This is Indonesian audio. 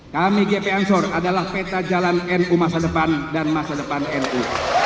kami gp ansor adalah peta jalan nu masa depan dan masa depan nu